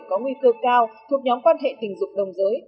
có nguy cơ cao thuộc nhóm quan hệ tình dục đồng giới